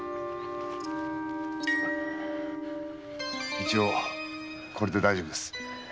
一応これで大丈夫です。